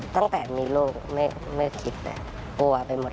ตั้งแต่มีลูกไม่คิดเลยกลัวไปหมด